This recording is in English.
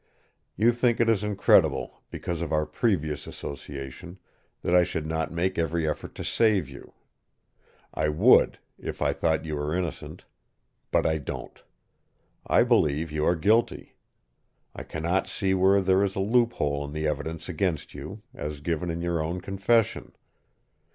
You think it is incredible, because of our previous association, that I should not make every effort to save you. I would, if I thought you were innocent. But I don't. I believe you are guilty. I cannot see where there is a loophole in the evidence against you, as given in your own confession.